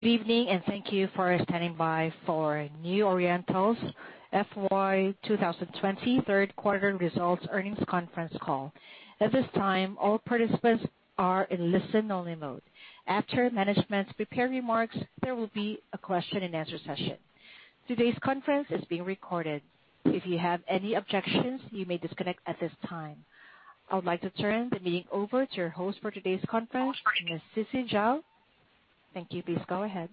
Good evening. Thank you for standing by for New Oriental's FY 2020 third quarter results earnings conference call. At this time, all participants are in listen-only mode. After management's prepared remarks, there will be a question and answer session. Today's conference is being recorded. If you have any objections, you may disconnect at this time. I would like to turn the meeting over to your host for today's conference, Ms. Sisi Zhao. Thank you. Please go ahead.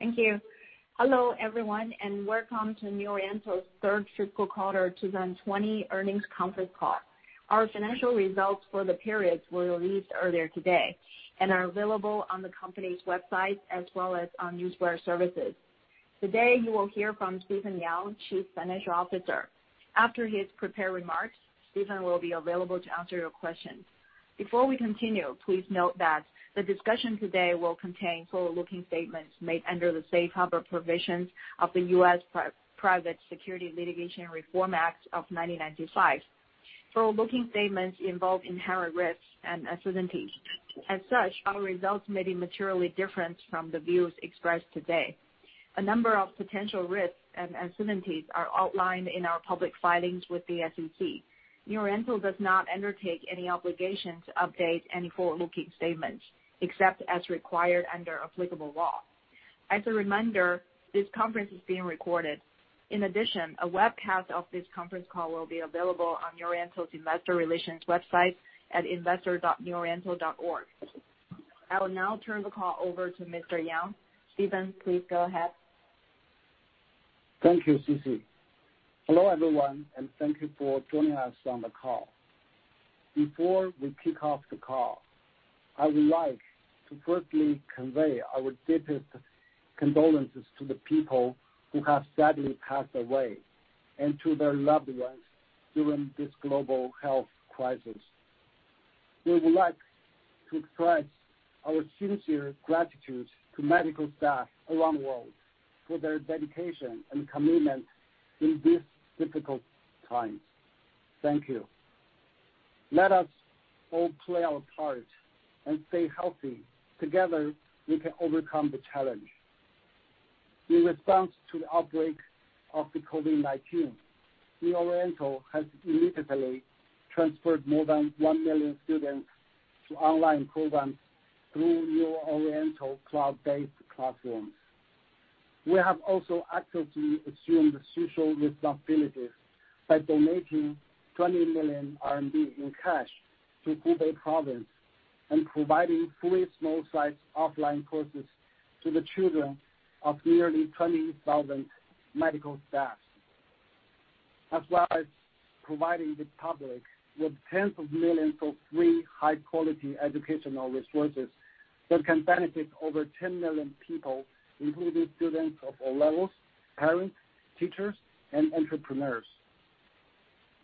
Thank you. Hello, everyone, and welcome to New Oriental's third fiscal quarter 2020 earnings conference call. Our financial results for the period were released earlier today and are available on the company's website as well as on news wire services. Today, you will hear from Stephen Yang, Chief Financial Officer. After his prepared remarks, Stephen will be available to answer your questions. Before we continue, please note that the discussion today will contain forward-looking statements made under the safe harbor provisions of the U.S. Private Securities Litigation Reform Act of 1995. Forward-looking statements involve inherent risks and uncertainties. As such, our results may be materially different from the views expressed today. A number of potential risks and uncertainties are outlined in our public filings with the SEC. New Oriental does not undertake any obligation to update any forward-looking statements, except as required under applicable law. As a reminder, this conference is being recorded. In addition, a webcast of this conference call will be available on New Oriental's investor relations website at investor.neworiental.org. I will now turn the call over to Mr. Yang. Stephen, please go ahead. Thank you, Sisi. Hello, everyone, and thank you for joining us on the call. Before we kick off the call, I would like to firstly convey our deepest condolences to the people who have sadly passed away and to their loved ones during this global health crisis. We would like to express our sincere gratitude to medical staff around the world for their dedication and commitment in these difficult times. Thank you. Let us all play our part and stay healthy. Together, we can overcome the challenge. In response to the outbreak of the COVID-19, New Oriental has immediately transferred more than 1 million students to online programs through New Oriental cloud-based classrooms. We have also actively assumed social responsibilities by donating 20 million RMB in cash to Hubei province and providing free small-sized offline courses to the children of nearly 20,000 medical staffs. As well as providing the public with tens of millions of free high-quality educational resources that can benefit over 10 million people, including students of all levels, parents, teachers, and entrepreneurs.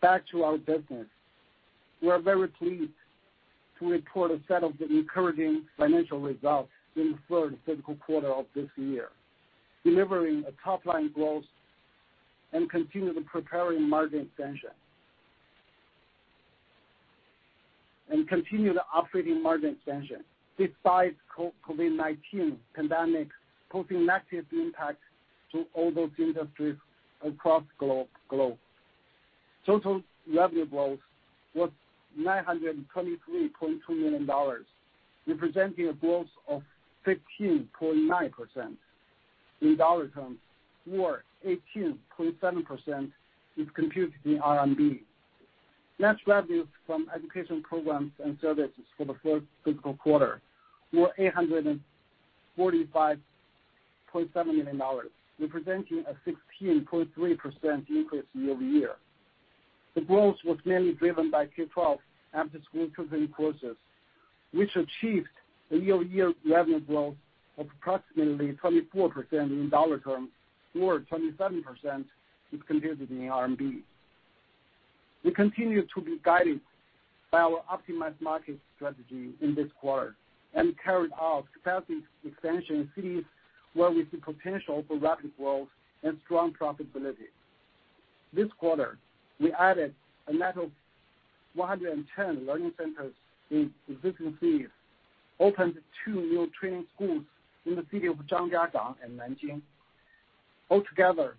Back to our business. We are very pleased to report a set of encouraging financial results in the third fiscal quarter of this year, delivering a top-line growth and continued operating margin expansion despite COVID-19 pandemic posing massive impacts to all those industries across globe. Total revenue growth was $923.2 million, representing a growth of 15.9% in dollar terms or 18.7% if computed in RMB. Net revenues from education programs and services for the first fiscal quarter were $845.7 million, representing a 16.3% increase year-over-year. The growth was mainly driven by K12 after-school tutoring courses, which achieved a year-over-year revenue growth of approximately 24% in dollar terms or 27% if computed in RMB. We continued to be guided by our optimized market strategy in this quarter and carried out capacity expansion in cities where we see potential for rapid growth and strong profitability. This quarter, we added a net of 112 learning centers in existing cities, opened two new training schools in the city of Zhangjiagang and Nanjing. Altogether,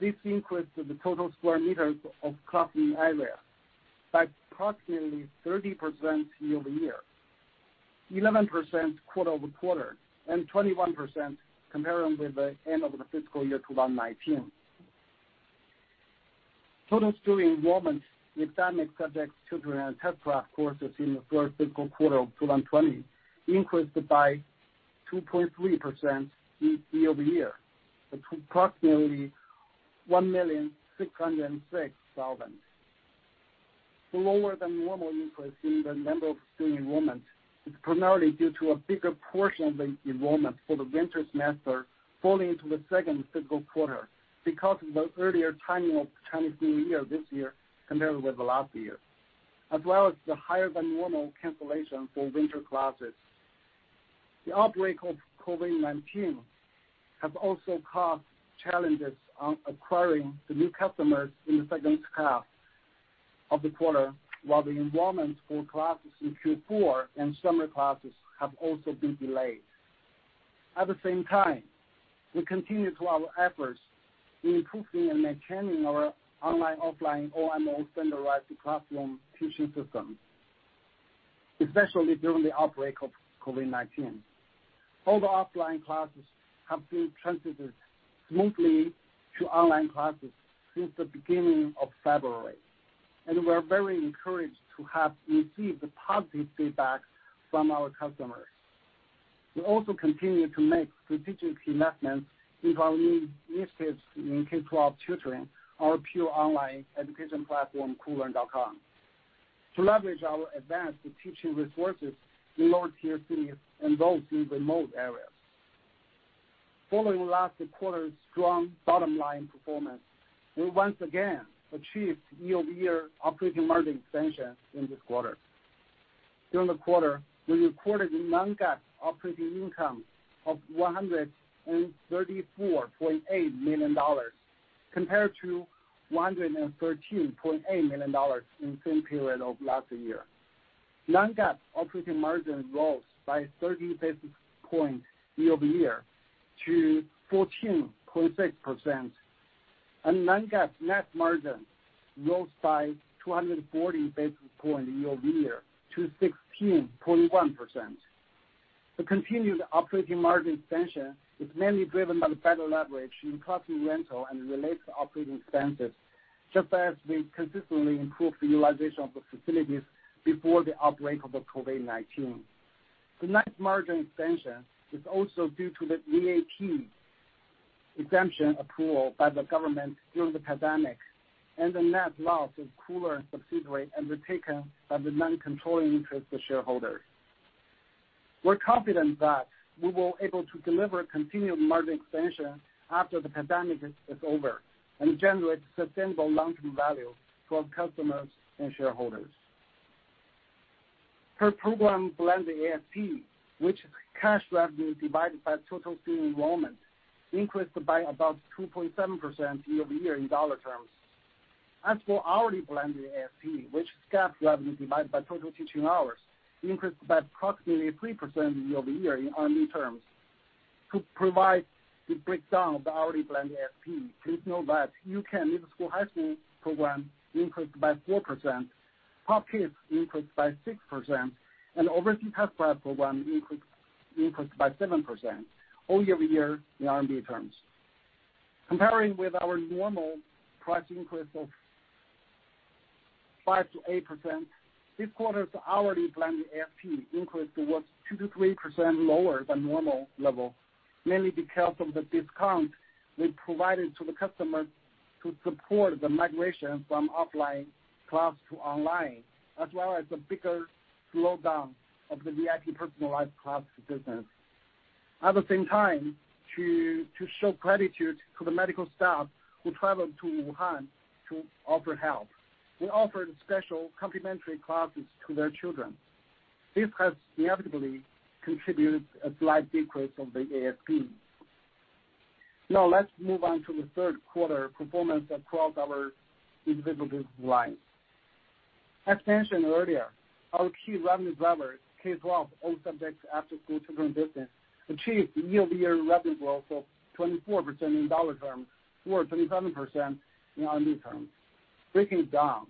this increased the total sq m of classroom area by approximately 30% year-over-year, 11% quarter-over-quarter, and 21% comparing with the end of the fiscal year 2019. Total student enrollment with dynamic subjects tutoring and test-prep courses in the first fiscal quarter of 2020 increased by 2.3% year-over-year to approximately 1,606,000. Slower than normal increase in the number of student enrollments is primarily due to a bigger portion of the enrollment for the winter semester falling into the second fiscal quarter because of the earlier timing of Chinese New Year this year compared with the last year, as well as the higher than normal cancellation for winter classes. The outbreak of COVID-19 have also caused challenges on acquiring new customers in the second half of the quarter, while the enrollments for classes in Q4 and summer classes have also been delayed. At the same time, we continue to our efforts in improving and maintaining our online/offline OMO standardized classroom teaching system, especially during the outbreak of COVID-19. All the offline classes have been transited smoothly to online classes since the beginning of February. We're very encouraged to have received the positive feedback from our customers. We also continue to make strategic investments in our initiatives in K-12 tutoring, our pure online education platform, koolearn.com, to leverage our advanced teaching resources in lower-tier cities and those in remote areas. Following last quarter's strong bottom line performance, we once again achieved year-over-year operating margin expansion in this quarter. During the quarter, we recorded non-GAAP operating income of $134.8 million, compared to $113.8 million in the same period of last year. Non-GAAP operating margin rose by 30 basis points year-over-year to 14.6%, and non-GAAP net margin rose by 240 basis points year-over-year to 16.1%. The continued operating margin expansion is mainly driven by the better leverage in classroom rental and related operating expenses, just as we consistently improved the utilization of the facilities before the outbreak of the COVID-19. The net margin expansion is also due to the VAT exemption approval by the government during the pandemic, and the net loss of Koolearn subsidiary undertaken by the non-controlling interest to shareholders. We're confident that we will be able to deliver continued margin expansion after the pandemic is over and generate sustainable long-term value for our customers and shareholders. Per program blended ASP, which is cash revenue divided by total student enrollment, increased by about 2.7% year-over-year in dollar terms. Hourly blended ASP, which is GAAP revenue divided by total teaching hours, increased by approximately 3% year-over-year in RMB terms. To provide the breakdown of the hourly blended ASP, please note that U-Can middle school/high school program increased by 4%, Pop Kids increased by 6%, and the overseas test-prep program increased by 7% year-over-year in RMB terms. Comparing with our normal price increase of 5%-8%, this quarter's hourly blended ASP increase was 2%-3% lower than normal level, mainly because of the discount we provided to the customers to support the migration from offline class to online, as well as the bigger slowdown of the VIP personalized class business. At the same time, to show gratitude to the medical staff who traveled to Wuhan to offer help, we offered special complimentary classes to their children. This has inevitably contributed a slight decrease of the ASP. Now, let's move on to the third quarter performance across our individual business lines. As mentioned earlier, our key revenue driver, K12 all subjects after-school tutoring business, achieved year-over-year revenue growth of 24% in dollar terms or 27% in RMB terms. Breaking it down,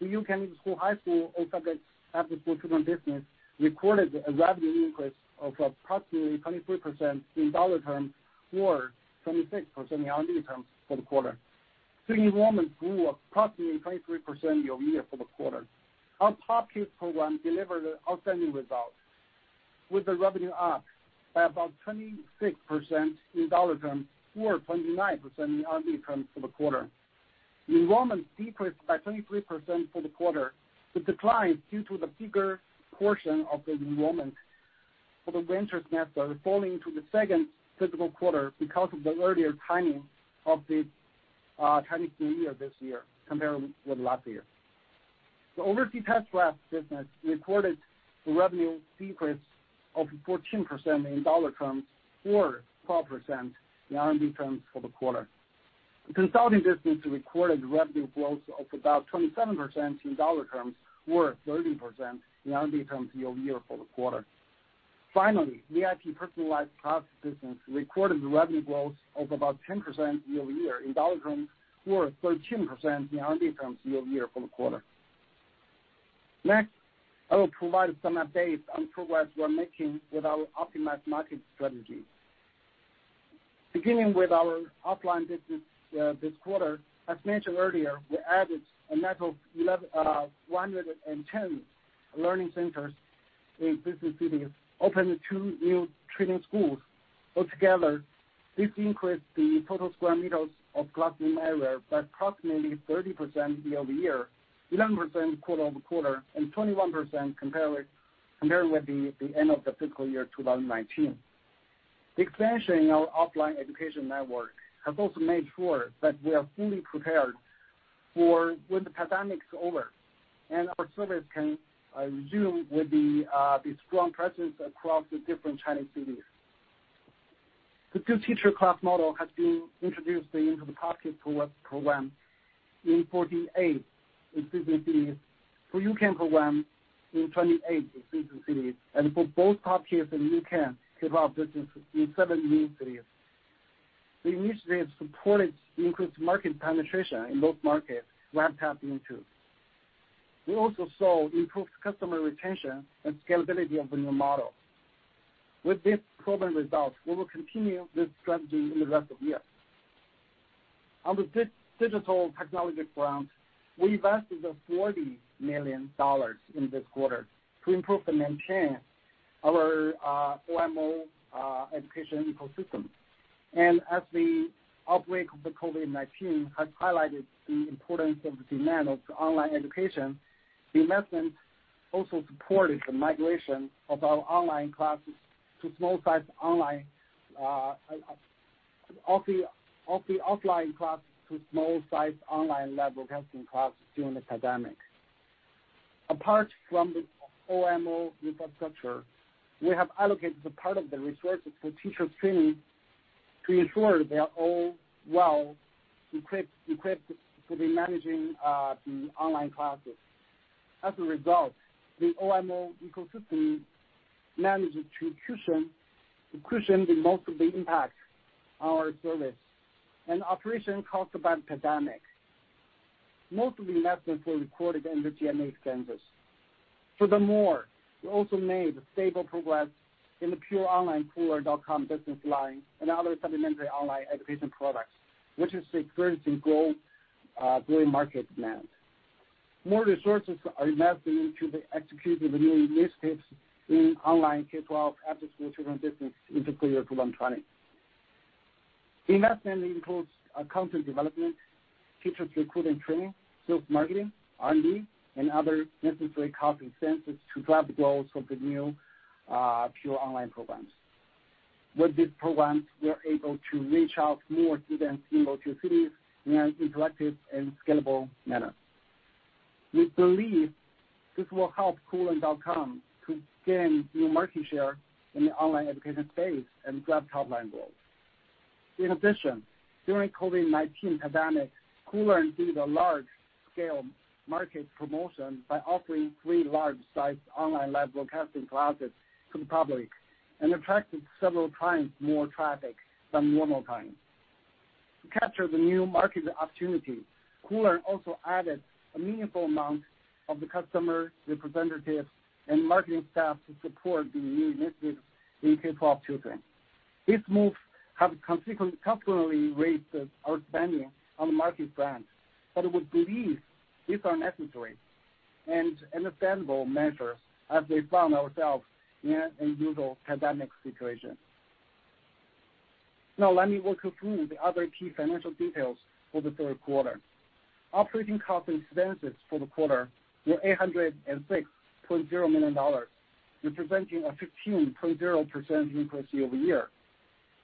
the U-Can middle school, high school all subjects after-school tutoring business recorded a revenue increase of approximately 23% in dollar terms or 26% in RMB terms for the quarter. The enrollment grew approximately 23% year-over-year for the quarter. Our Pop Kids program delivered outstanding results, with the revenue up by about 26% in dollar terms or 29% in RMB terms for the quarter. The enrollment decreased by 23% for the quarter. The decline is due to the bigger portion of the enrollment for the winter semester falling into the second fiscal quarter because of the earlier timing of the Chinese New Year this year compared with last year. The overseas test-prep business recorded a revenue decrease of 14% in dollar terms or 12% in RMB terms for the quarter. The consulting business recorded revenue growth of about 27% in dollar terms or 30% in RMB terms year-over-year for the quarter. Finally, VIP personalized class business recorded revenue growth of about 10% year-over-year in dollar terms or 13% in RMB terms year-over-year for the quarter. I will provide some updates on progress we are making with our optimized market strategy. Beginning with our offline business this quarter, as mentioned earlier, we added a net of 110 learning centers in busy cities, opened two new training schools. Altogether, this increased the total square meters of classroom area by approximately 30% year-over-year, 11% quarter-over-quarter, and 21% compared with the end of the fiscal year 2019. The expansion in our offline education network has also made sure that we are fully prepared for when the pandemic is over, and our service can resume with the strong presence across the different Chinese cities. The two-teacher class model has been introduced into the top tier program in 48 existing cities, for U-Can program in 28 existing cities, and for both top tiers in U-Can K-12 business in seven new cities. The initiative supported increased market penetration in those markets we have tapped into. We also saw improved customer retention and scalability of the new model. With these program results, we will continue this strategy in the rest of the year. On the digital technology front, we invested $40 million in this quarter to improve and maintain our OMO education ecosystem. As the outbreak of the COVID-19 has highlighted the importance of the demand of online education, the investment also supported the migration of our offline classes to small-sized online live broadcasting classes during the pandemic. Apart from the OMO infrastructure, we have allocated a part of the resources for teacher training to ensure they are all well-equipped to be managing the online classes. As a result, the OMO ecosystem managed to cushion the multiple impacts on our service and operation caused by the pandemic. Most of the investments were recorded in the G&A expenses. We also made stable progress in the pure online Koolearn.com business line and other supplementary online education products, which is currently in growing market demand. More resources are invested into the execution of the new initiatives in online K-12 after-school children business into the year 2020. Investment includes content development, teachers recruiting, training, sales, marketing, R&D, and other necessary cost expenses to drive growth of the new pure online programs. With these programs, we are able to reach out more students in those new cities in an interactive and scalable manner. We believe this will help Koolearn.com to gain new market share in the online education space and drive top-line growth. In addition, during COVID-19 pandemic, Koolearn did a large-scale market promotion by offering free large-sized online live broadcasting classes to the public and attracted several times more traffic than normal times. To capture the new market opportunity, Koolearn also added a meaningful amount of the customer representatives and marketing staff to support the new initiatives in K-12 children. These moves have consequently raised our spending on marketing front, but we believe these are necessary and understandable measures as we found ourselves in an unusual pandemic situation. Let me walk you through the other key financial details for the third quarter. Operating costs and expenses for the quarter were $806.0 million, representing a 15.0% increase year-over-year.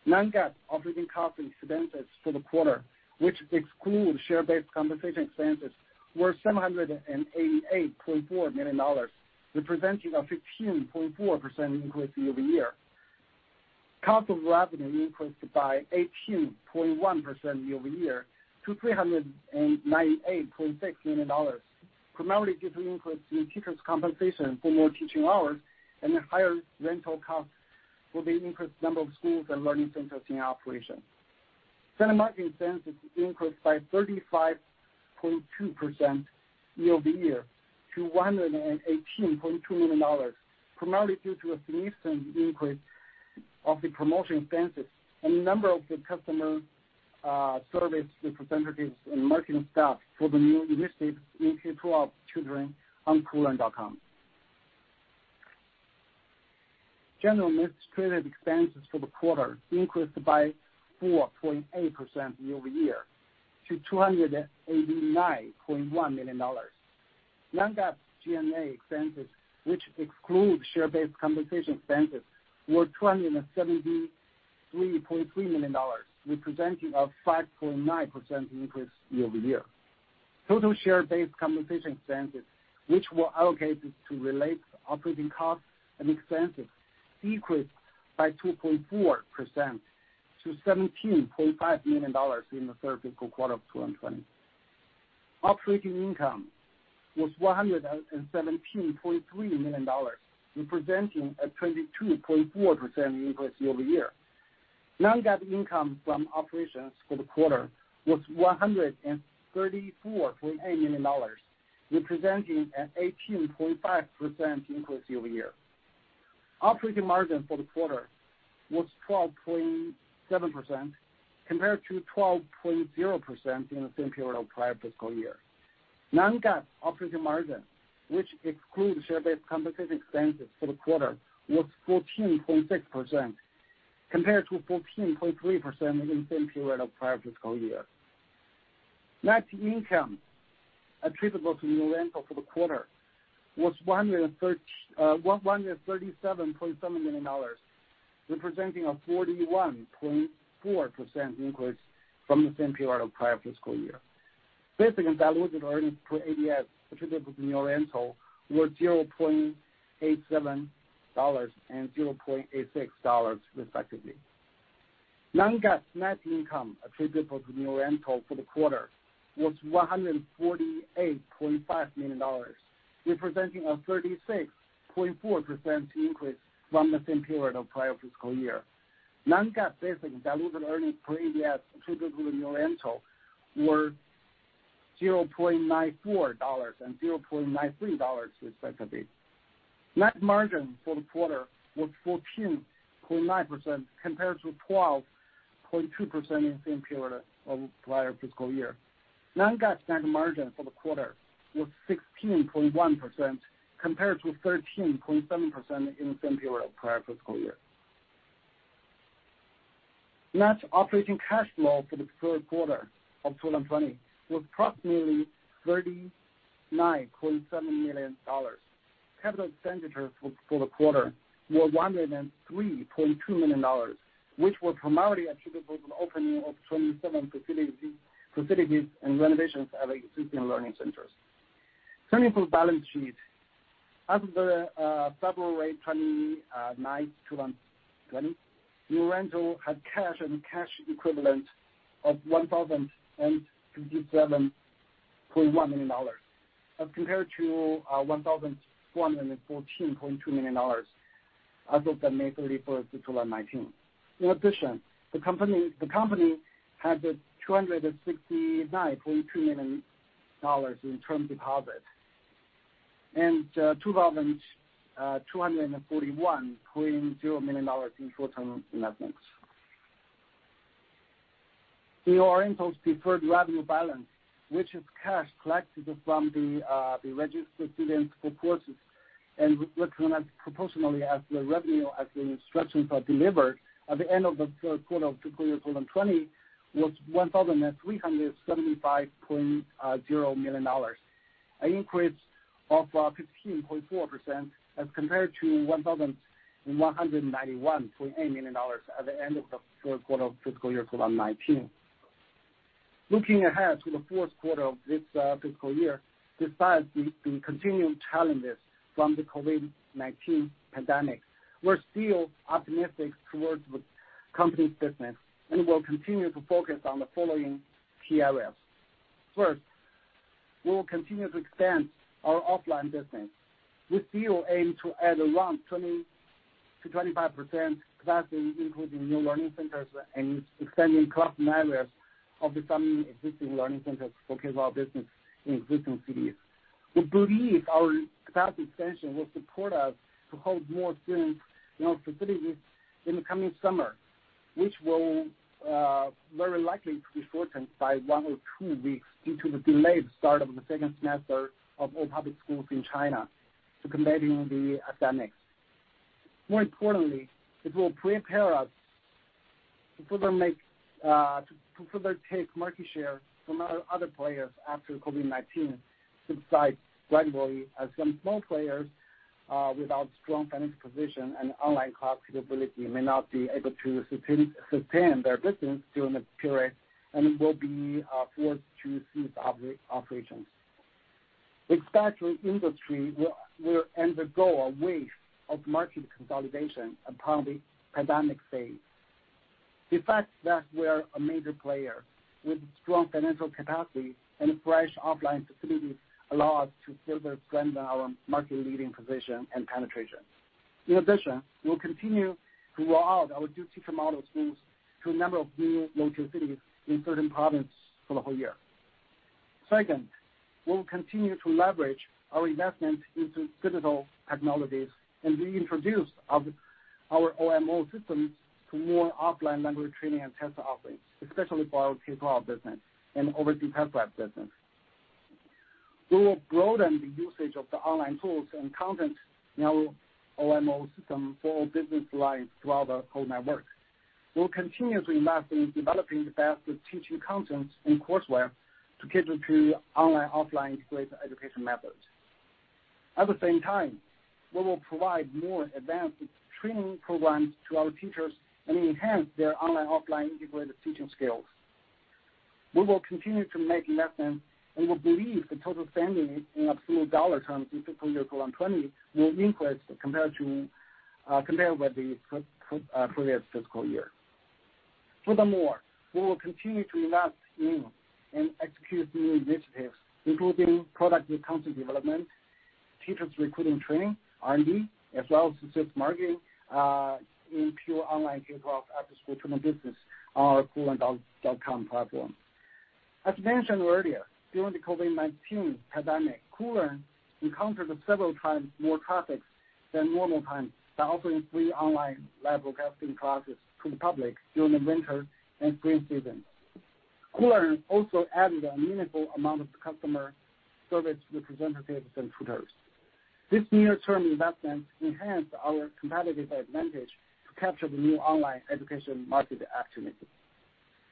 Non-GAAP operating costs and expenses for the quarter, which exclude share-based compensation expenses, were $788.4 million, representing a 15.4% increase year-over-year. Cost of revenue increased by 18.1% year-over-year to $398.6 million, primarily due to increase in teachers' compensation for more teaching hours and higher rental costs for the increased number of schools and learning centers in operation. Sales and marketing expenses increased by 35.2% year-over-year to $118.2 million, primarily due to a significant increase of the promotion expenses and number of the customer service representatives and marketing staff for the new initiatives in K-12 children on Koolearn.com. General and administrative expenses for the quarter increased by 4.8% year-over-year to $289.1 million. Non-GAAP G&A expenses, which exclude share-based compensation expenses, were $273.3 million, representing a 5.9% increase year-over-year. Total share-based compensation expenses, which were allocated to relate to operating costs and expenses, decreased by 2.4% to $17.5 million in the third fiscal quarter of 2020. Operating income was $117.3 million, representing a 22.4% increase year-over-year. Non-GAAP income from operations for the quarter was $134.8 million, representing an 18.5% increase year-over-year. Operating margin for the quarter was 12.7% compared to 12.0% in the same period of prior fiscal year. Non-GAAP operating margin, which excludes share-based compensation expenses for the quarter, was 14.6% compared to 14.3% in the same period of prior fiscal year. Net income attributable to New Oriental for the quarter was $137.7 million, representing a 41.4% increase from the same period of prior fiscal year. Basic and diluted earnings per ADS attributable to New Oriental were $0.87 and $0.86 respectively. Non-GAAP net income attributable to New Oriental for the quarter was $148.5 million, representing a 36.4% increase from the same period of prior fiscal year. Non-GAAP basic and diluted earnings per ADS attributable to New Oriental were $0.94 and $0.93 respectively. Net margin for the quarter was 14.9% compared to 12.2% in the same period of the prior fiscal year. Non-GAAP net margin for the quarter was 16.1% compared to 13.7% in the same period of the prior fiscal year. Net operating cash flow for the third quarter of 2020 was approximately $39.7 million. Capital expenditures for the quarter were $103.2 million, which were primarily attributable to the opening of 27 facilities and renovations at existing learning centers. Turning to the balance sheet. As of February 29, 2020, New Oriental had cash and cash equivalents of $1,057.1 million as compared to $1,114.2 million as of May 31, 2019. In addition, the company had $269.2 million in term deposits and $2,241.2 million in short-term investments. New Oriental's deferred revenue balance, which is cash collected from the registered students for courses and recognized proportionally as the revenue as the instructions are delivered at the end of the third quarter of fiscal year 2020, was $1,375.0 million, an increase of 15.4% as compared to $1,191.8 million at the end of the third quarter of fiscal year 2019. Looking ahead to the fourth quarter of this fiscal year, besides the continuing challenges from the COVID-19 pandemic, we're still optimistic towards the company's business and will continue to focus on the following key areas. First, we will continue to expand our offline business. We still aim to add around 20% to 25% capacity, including new learning centers and extending class members of the some existing learning centers for K-12 business in existing cities. We believe our capacity expansion will support us to hold more students in our facilities in the coming summer, which will very likely to be shortened by one or two weeks due to the delayed start of the second semester of all public schools in China to combating the pandemic. More importantly, it will prepare us to further take market share from other players after COVID-19 subsides gradually, as some small players without strong financial position and online class capability may not be able to sustain their business during the period and will be forced to cease operations. We expect the industry will undergo a wave of market consolidation upon the pandemic phase. The fact that we're a major player with strong financial capacity and fresh offline facilities allow us to further strengthen our market leading position and penetration. In addition, we'll continue to roll out our two-teacher model schools to a number of new local cities in certain provinces for the whole year. Second, we'll continue to leverage our investment into digital technologies and reintroduce our OMO systems to more offline language training and test offerings, especially for our K12 business and overseas test prep business. We will broaden the usage of the online tools and content in our OMO system for all business lines throughout the whole network. We will continuously invest in developing the best teaching content and courseware to cater to online, offline integrated education methods. At the same time, we will provide more advanced training programs to our teachers and enhance their online, offline integrated teaching skills. We will continue to make investments, and we believe the total spending in absolute dollar terms in fiscal year 2020 will increase compared with the previous fiscal year. Furthermore, we will continue to invest in and execute new initiatives, including product and content development, teachers recruiting training, R&D, as well as assist marketing in pure online K12 after-school tutoring business on our koolearn.com platform. As mentioned earlier, during the COVID-19 pandemic, Koolearn encountered several times more traffic than normal times by offering free online live broadcasting classes to the public during the winter and spring seasons. Koolearn also added a meaningful amount of customer service representatives and tutors.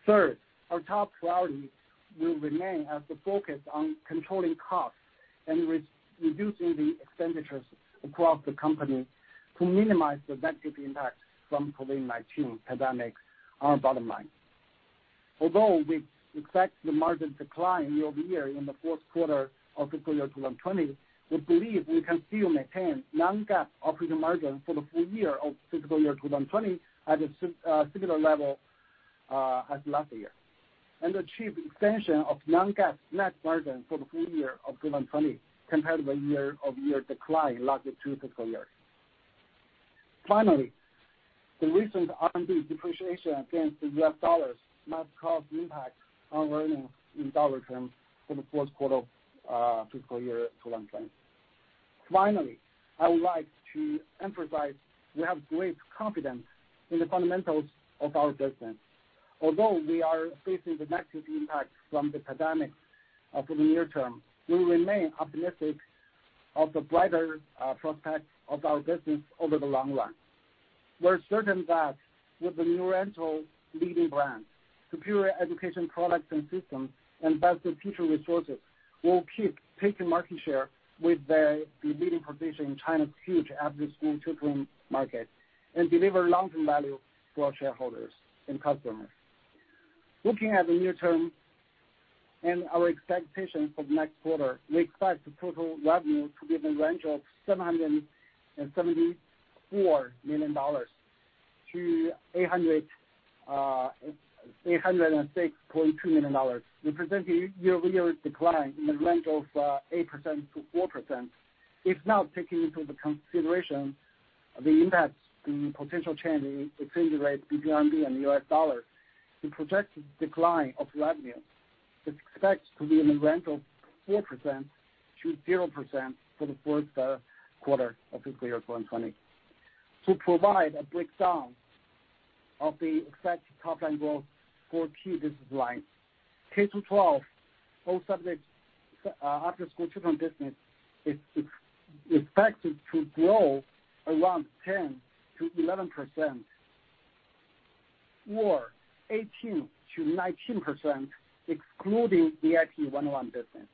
Third, our top priority will remain as the focus on controlling costs and reducing the expenditures across the company to minimize the negative impact from COVID-19 pandemic on our bottom line. Although we expect the margin decline year-over-year in the fourth quarter of fiscal year 2020, we believe we can still maintain non-GAAP operating margin for the full year of fiscal year 2020 at a similar level as last year, and achieve expansion of non-GAAP net margin for the full year of 2020, compared with a year-over-year decline last two fiscal years. Finally, the recent RMB depreciation against the US dollars might cause impact on earnings in dollar terms for the fourth quarter of fiscal year 2020. Finally, I would like to emphasize we have great confidence in the fundamentals of our business. Although we are facing the negative impact from the pandemic for the near term, we remain optimistic of the brighter prospect of our business over the long run. We're certain that with the New Oriental's leading brand, superior education products and systems, and best teacher resources, we'll keep taking market share with the leading position in China's huge after-school tutoring market and deliver long-term value for our shareholders and customers. Looking at the near term and our expectations for the next quarter, we expect the total revenue to be in the range of $774 million-$806.2 million, representing a year-over-year decline in the range of 8%-4%, if not taking into the consideration the impact, the potential change in exchange rate between RMB and the U.S. dollar. The projected decline of revenue is expected to be in the range of 4%-0% for the fourth quarter of fiscal year 2020. To provide a breakdown of the expected top-line growth for key business lines, K-12 whole subjects after-school tutoring business is expected to grow around 10%-11%, or 18%-19%, excluding the AP one on one business.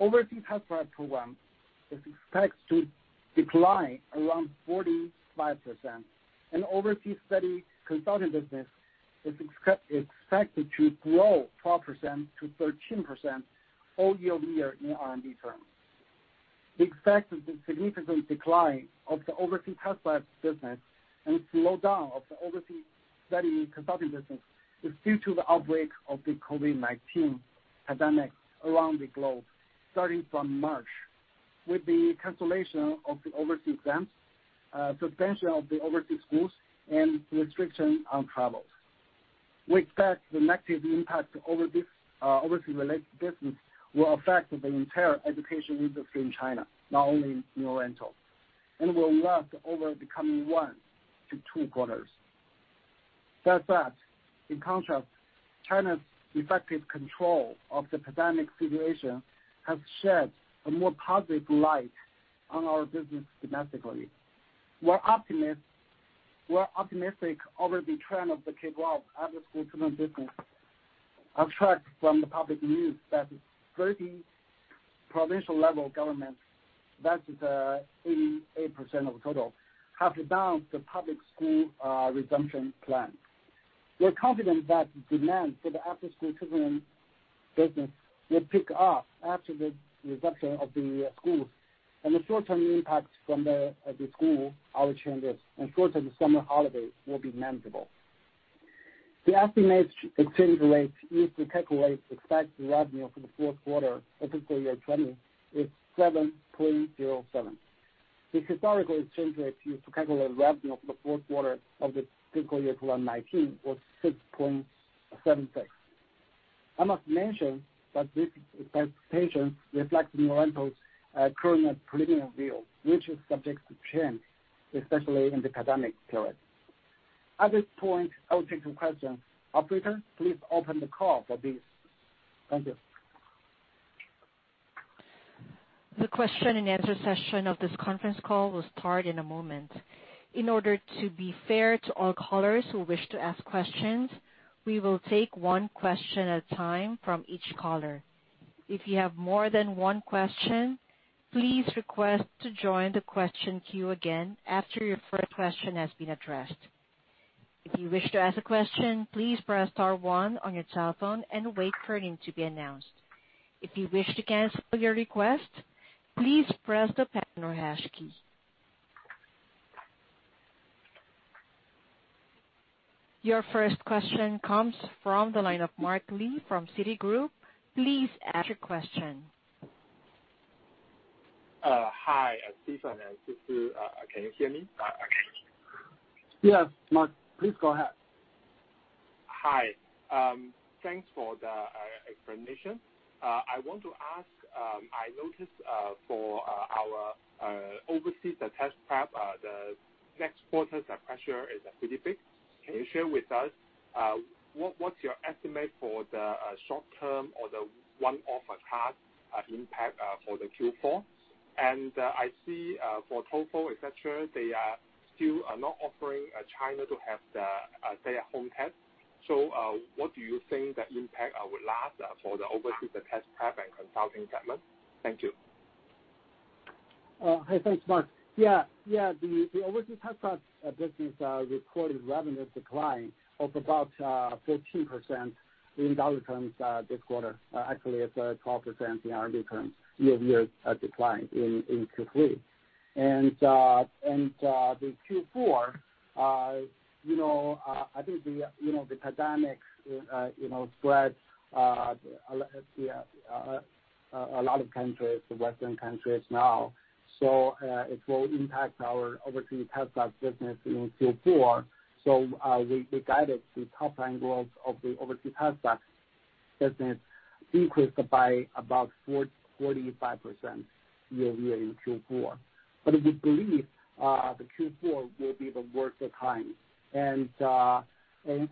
Overseas test-prep program is expected to decline around 45%, and overseas study consultant business is expected to grow 12%-13% whole year-over-year in RMB terms. The expected significant decline of the overseas test-prep business and slowdown of the overseas study consultant business is due to the outbreak of the COVID-19 pandemic around the globe, starting from March, with the cancellation of the overseas exams, suspension of the overseas schools, and restriction on travels. We expect the negative impact to overseas related business will affect the entire education industry in China, not only in New Oriental, and will last over the coming one to two quarters. That said, in contrast, China's effective control of the pandemic situation has shed a more positive light on our business domestically. We're optimistic over the trend of the K-12 after-school tutoring business, abstract from the public news that 30 provincial-level governments, that is 88% of the total, have announced the public school resumption plan. We're confident that demand for the after-school tutoring business will pick up after the resumption of the schools, and the short-term impacts from the school hour changes and shorter summer holidays will be manageable. The estimated exchange rate used to calculate expected revenue for the fourth quarter of fiscal year 2020 is 7.07. The historical exchange rate used to calculate revenue for the fourth quarter of the fiscal year 2019 was 6.76. I must mention that this expectation reflects New Oriental's current preliminary view, which is subject to change, especially in the pandemic period. At this point, I will take some questions. Operator, please open the call for this. Thank you. The question and answer session of this conference call will start in a moment. In order to be fair to all callers who wish to ask questions, we will take one question at a time from each caller. If you have more than one question, please request to join the question queue again after your first question has been addressed. If you wish to ask a question, please press star one on your cellphone and wait for your name to be announced. If you wish to cancel your request, please press the pound or hash key. Your first question comes from the line of Mark Li from Citigroup. Please ask your question. Hi, Stephen and Sisi. Can you hear me? Yes, Mark, please go ahead. Hi. Thanks for the explanation. I want to ask, I noticed for our overseas test prep, the next quarter's pressure is pretty big. Can you share with us what's your estimate for the short term or the one-off cost impact for the Q4? I see for TOEFL, et cetera, they are still not offering China to have their home test. What do you think the impact will last for the overseas test prep and consulting segment? Thank you. Thanks, Mark. The overseas test prep business reported revenue decline of about 13% in dollar terms this quarter. Actually, it's 12% in RMB terms, year-over-year decline in Q3. The Q4, I think the pandemic spread a lot of countries, the Western countries now, so it will impact our overseas test prep business in Q4. We guided the top line growth of the overseas test prep business increased by about 45% year-over-year in Q4. We believe the Q4 will be the worst time.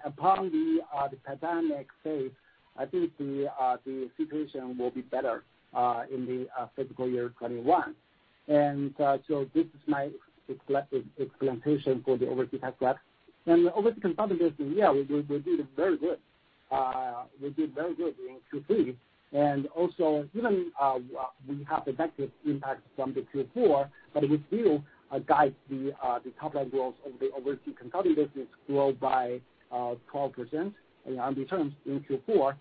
Upon the pandemic phase, I think the situation will be better in the fiscal year 2021. This is my explanation for the overseas test prep. The overseas consulting business, we did very good. We did very good in Q3, and also even we have negative impact from the Q4, but we still guide the top line growth of the overseas consulting business grow by 12% in RMB terms in Q4.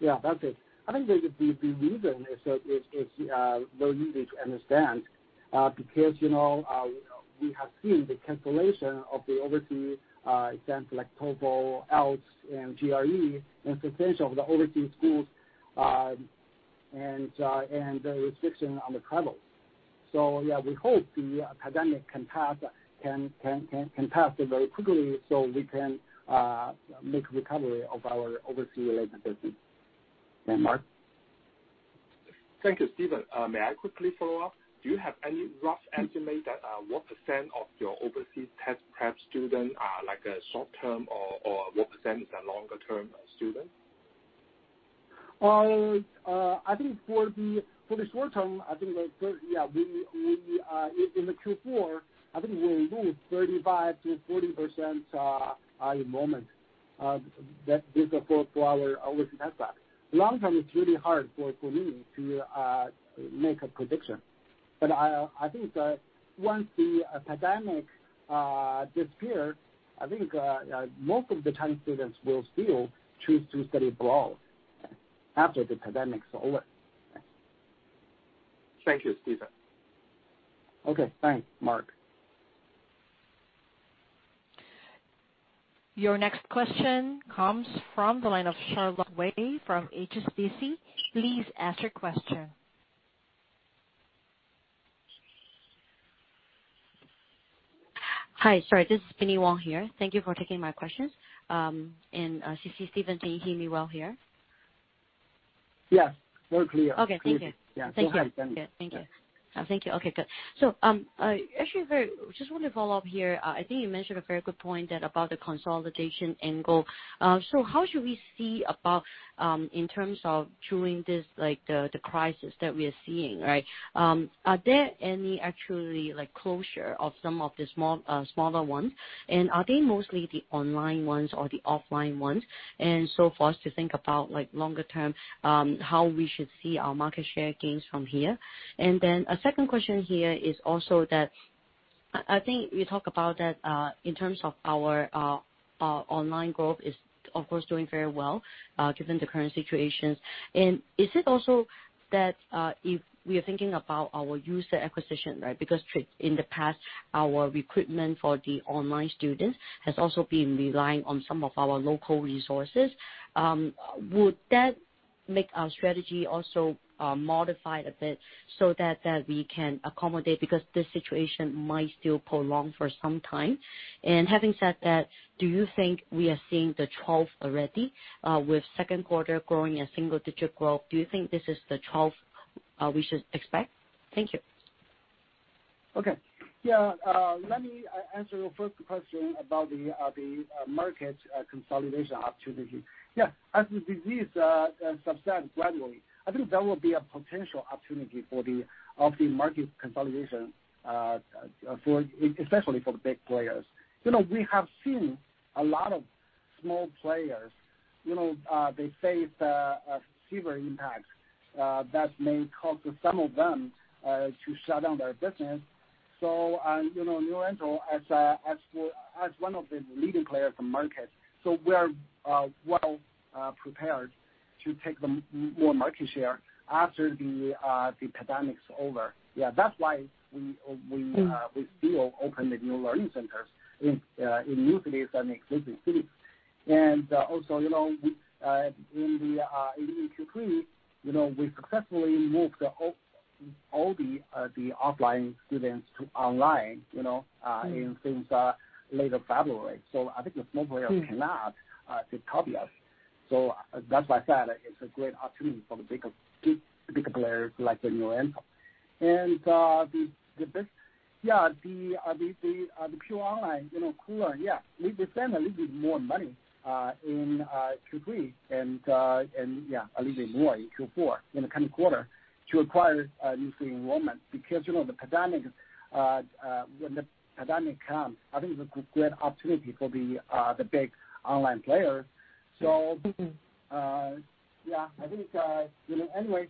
Yeah, that's it. I think the reason is very easy to understand, because we have seen the cancellation of the overseas exams like TOEFL, IELTS, and GRE, and suspension of the overseas schools, and the restriction on the travels. Yeah, we hope the pandemic can pass very quickly so we can make recovery of our overseas-related business. Yeah, Mark? Thank you, Stephen. May I quickly follow up? Do you have any rough estimate at what percent of your overseas test prep student are short-term, or what percent is a longer-term student? I think for the short-term, in the Q4, I think we lose 35%-40% enrollment. That figure for our overseas test prep. Long-term, it's really hard for me to make a prediction. I think once the pandemic disappears, I think most of the time students will still choose to study abroad after the pandemic's over. Thanks. Thank you, Stephen. Okay, thanks, Mark. Your next question comes from the line of Charlotte Wei from HSBC. Please ask your question. Hi. Sorry, this is Binnie Wong here. Thank you for taking my questions. Sisi and Stephen, can you hear me well here? Yes. Very clear. Okay, thank you. Yeah, go ahead. Thank you. Okay, good. Actually, just want to follow up here. I think you mentioned a very good point about the consolidation angle. How should we see about, in terms of during the crisis that we're seeing, right? Are there any actually closure of some of the smaller ones? Are they mostly the online ones or the offline ones? For us to think about longer term, how we should see our market share gains from here. Then a second question here is also that I think we talked about that in terms of our online growth is, of course, doing very well given the current situations. Is it also that if we are thinking about our user acquisition, right? Because in the past, our recruitment for the online students has also been relying on some of our local resources. Would that make our strategy also modified a bit so that we can accommodate, because this situation might still prolong for some time. Having said that, do you think we are seeing the trough already, with second quarter growing a single digit growth? Do you think this is the trough we should expect? Thank you. Okay. Yeah. Let me answer your first question about the market consolidation opportunity. Yeah. As the disease subsides gradually, I think there will be a potential opportunity of the market consolidation, especially for the big players. We have seen a lot of small players, they face a severe impact that may cause some of them to shut down their business. New Oriental, as one of the leading players in the market, so we're well prepared to take more market share after the pandemic's over. Yeah, that's why we still open the new learning centers in new cities and existing cities. Also, in the Q3, we successfully moved all the offline students to online since late February. I think the small players cannot copy us. That's why I said it's a great opportunity for the bigger players like the New Oriental. The pure online, Koolearn, we spend a little bit more money in Q3, and a little bit more in Q4, in the coming quarter, to acquire new student enrollment, because when the pandemic comes, I think it's a great opportunity for the big online player. I think, anyway,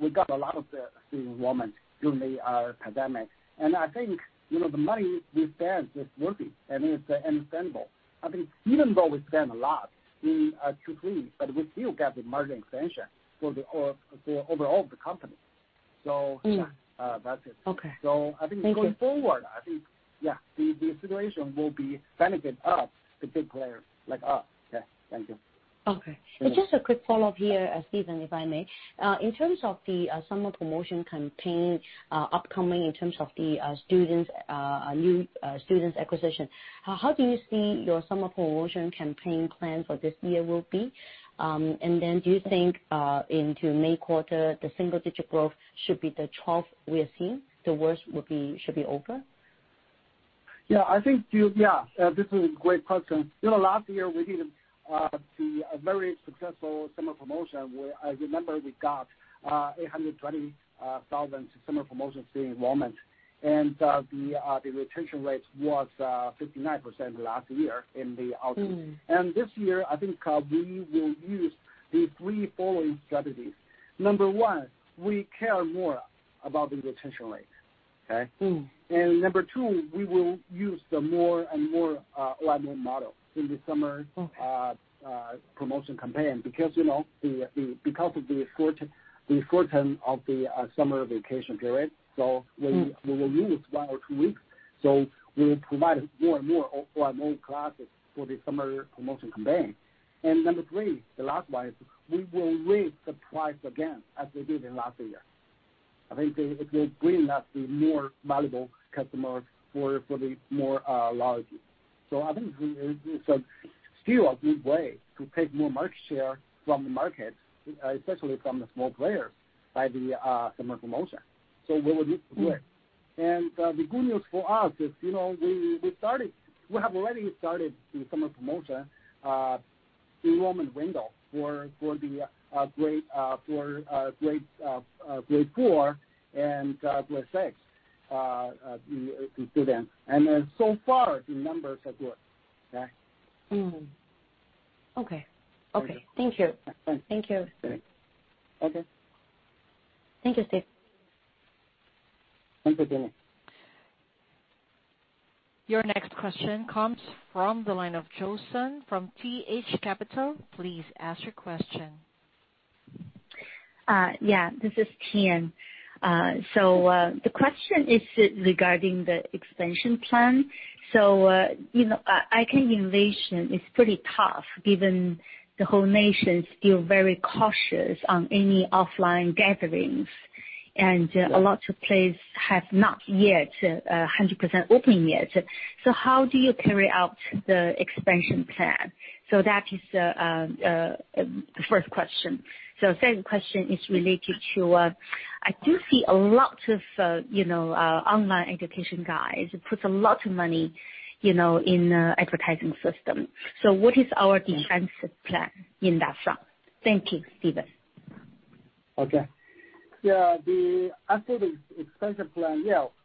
we got a lot of the student enrollment during the pandemic. I think the money we spent is worth it and it's understandable. I think even though we spend a lot in Q3, but we still get the margin expansion for the overall of the company. Yeah. That's it. Okay. Thank you. I think going forward, I think the situation will benefit us, the big player, like us. Yeah. Thank you. Okay. Just a quick follow-up here, Stephen, if I may. In terms of the summer promotion campaign upcoming in terms of the new students acquisition, how do you see your summer promotion campaign plan for this year will be? Do you think into May quarter, the single-digit growth should be the trough we are seeing, the worst should be over? Yeah. This is a great question. Last year we did the very successful summer promotion where I remember we got 820,000 summer promotion student enrollment. The retention rate was 59% last year in the autumn. This year, I think we will use the three following strategies. Number one, we care more about the retention rate. Okay. Number two, we will use the more and more online model in the summer promotion campaign because of the shorten of the summer vacation period. We will use one or two weeks, so we will provide more and more online classes for the summer promotion campaign. Number three, the last one is we will raise the price again as we did in last year. I think it will bring us the more valuable customers for the more loyalty. I think it's still a good way to take more market share from the market, especially from the small players, by the summer promotion. We will use it there. The good news for us is we have already started the summer promotion enrollment window for grade 4 and grade 6 students. So far, the numbers are good. Okay. Okay. Thank you. Okay. Thank you. Okay. Thank you, Steve. Thank you, Binnie. Your next question comes from the line of [Tian Hou] from T.H. Capital. Please ask your question. Yeah, this is Tian. The question is regarding the expansion plan. I can envision it's pretty tough given the whole nation is still very cautious on any offline gatherings, and a lot of places have not yet 100% open yet. How do you carry out the expansion plan? That is the first question. Second question is related to, I do see a lot of online education guys put a lot of money in advertising system. What is our defensive plan in that front? Thank you, Stephen. Okay. Yeah. As to the expansion plan,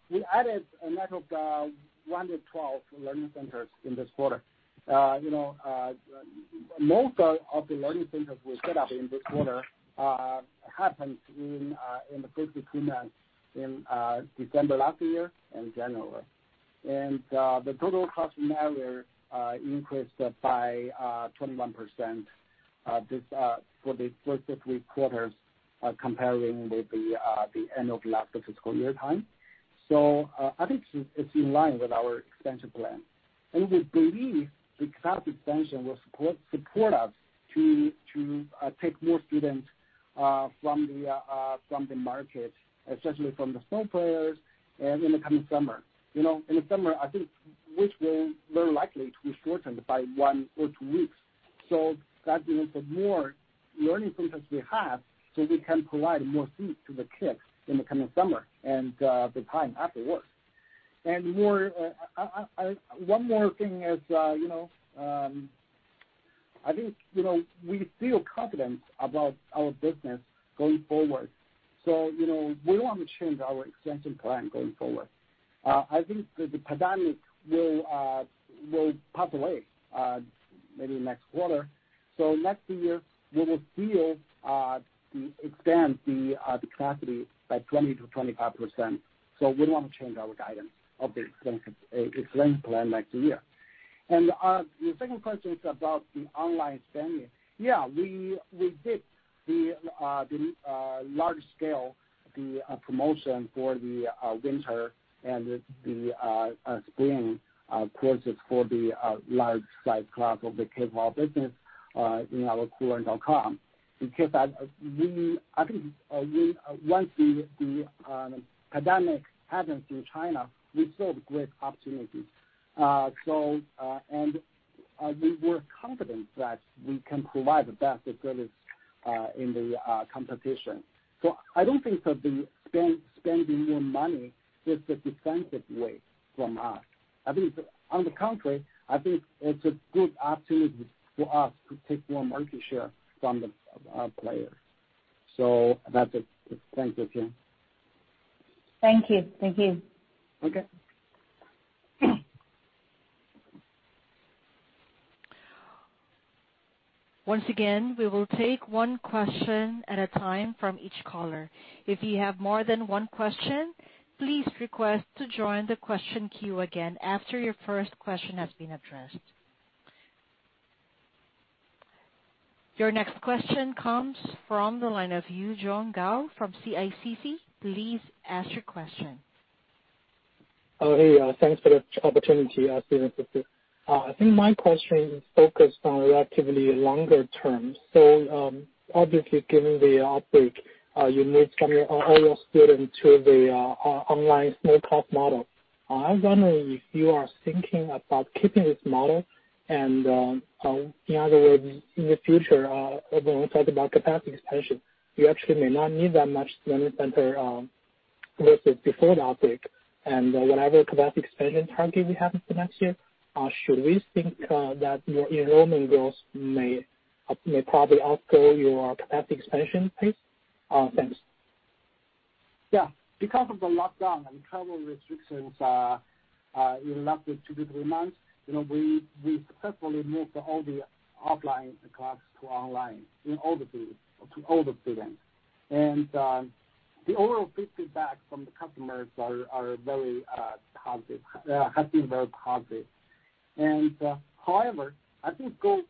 we added a net of 112 learning centers in this quarter. Most of the learning centers were set up in this quarter happened in the first two months, in December last year and January. The total classroom area increased by 21% for the first three quarters comparing with the end of last fiscal year time. I think it's in line with our expansion plan. We believe the class expansion will support us to take more students from the market, especially from the small players and in the coming summer. In the summer, I think this will very likely to be shortened by one or two weeks. That means the more learning centers we have, we can provide more seats to the kids in the coming summer and the time after work. One more thing is, I think we feel confident about our business going forward. We want to change our expansion plan going forward. I think the pandemic will pop away maybe next quarter. Next year we will still expand the capacity by 20%-25%. We want to change our guidance of the expansion plan next year. The second question is about the online spending. Yeah, we did the large scale promotion for the winter and the spring courses for the large size class of the K-12 business in our koolearn.com. I think once the pandemic happens in China, we saw the great opportunity. We were confident that we can provide the best service in the competition. I don't think that spending more money is a defensive way from us. On the contrary, I think it's a good opportunity for us to take more market share from the players. That's it. Thank you, Tian. Thank you. Okay. Once again, we will take one question at a time from each caller. If you have more than one question, please request to join the question queue again after your first question has been addressed. Your next question comes from the line of Yuzhong Gao from CICC. Please ask your question. Oh, hey. Thanks for the opportunity, Stephen. I think my question is focused on relatively longer term. Obviously, given the outbreak, you moved all your students to the online small-sized class model. I wonder if you are thinking about keeping this model and, in other words, in the future, when we talk about capacity expansion, you actually may not need that much learning center, versus before the outbreak. Whatever capacity expansion target we have for next year, should we think that your enrollment growth may probably outgrow your capacity expansion pace? Thanks. Yeah. Because of the lockdown and travel restrictions in the last two to three months, we successfully moved all the offline classes to online, to all the students. The overall feedback from the customers has been very positive. However, I think going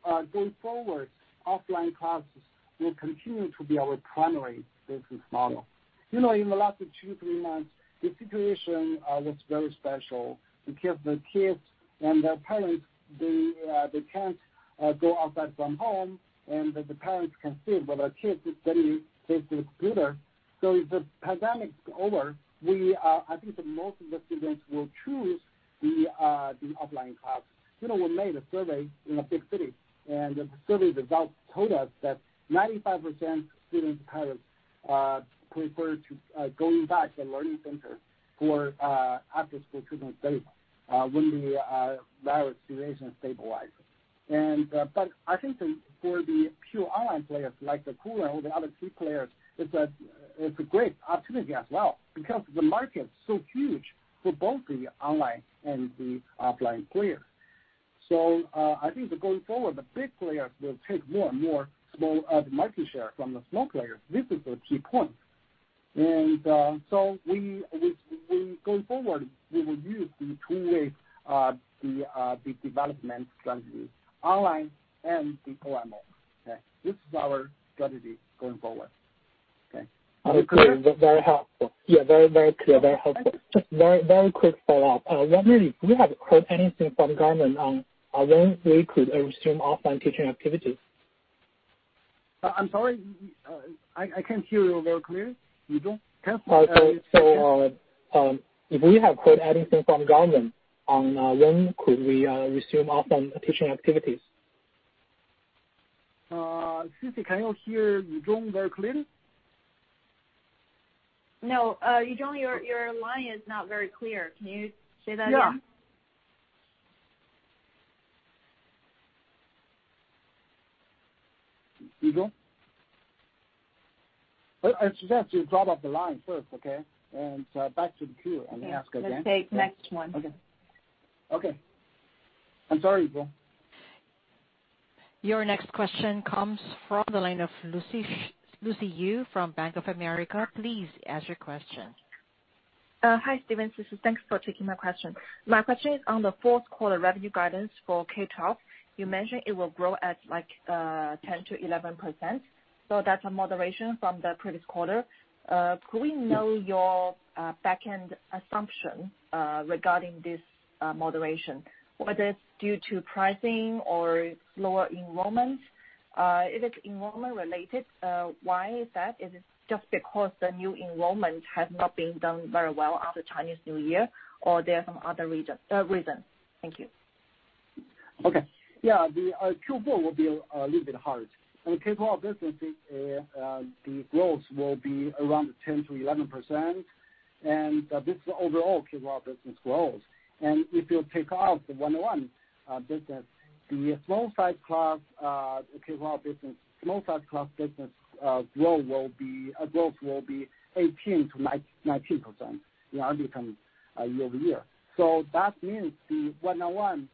forward, offline classes will continue to be our primary business model. In the last two, three months, the situation was very special because the kids and their parents, they can't go outside from home, and the parents can see their kids studying face the computer. If the pandemic's over, I think that most of the students will choose the offline class. We made a survey in a big city, and the survey results told us that 95% of students prefer to going back to the learning center for after-school tutoring. When the virus situation stabilizes. I think for the pure online players like the Koolearn or the other three players, it's a great opportunity as well, because the market is so huge for both the online and the offline players. I think that going forward, the big players will take more and more market share from the small players. This is the key point. Going forward, we will use the two ways, the development strategy, online and the offline mode. Okay. This is our strategy going forward. Okay. Are you clear? Very helpful. Yeah, very clear. Very helpful. Just very quick follow-up. I was wondering if you have heard anything from government on when we could resume offline teaching activities? I'm sorry. I can't hear you very clear, Yuzhong. Can you. If we have heard anything from government on when could we resume offline teaching activities? Sisi, can you hear Yuzhong very clearly? No. Yuzhong, your line is not very clear. Can you say that again? Yeah. Yuzhong? I suggest you drop off the line first, okay? Back to the queue, and ask again. Let's take next one. Okay. I'm sorry, Yuzhong. Your next question comes from the line of Lucy Yu from Bank of America Corporation. Please ask your question. Hi, Stephen. This is Lucy. Thanks for taking my question. My question is on the fourth quarter revenue guidance for K-12. You mentioned it will grow at 10%-11%, so that's a moderation from the previous quarter. Could we know your backend assumption regarding this moderation? Whether it's due to pricing or lower enrollment. If it's enrollment related, why is that? Is it just because the new enrollment has not been done very well after Chinese New Year, or there are some other reasons? Thank you. Okay. Yeah. The Q4 will be a little bit hard. In the K-12 business, the growth will be around 10%-11%. This is overall K-12 business growth. If you take out the one on one business, the small-sized class business growth will be 18%-19% year-over-year. That means the one on